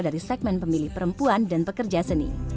dari segmen pemilih perempuan dan pekerja seni